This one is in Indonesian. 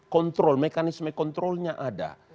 kontrol mekanisme kontrolnya ada